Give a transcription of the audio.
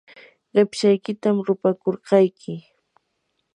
qipshaykitam rupakurqayki.